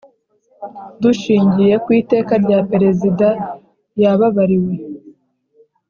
Dushingiye ku Iteka rya Perezida yababariwe